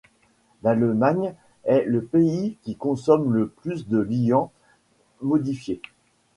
L'Allemagne est le pays qui consomme le plus de liants modifiés.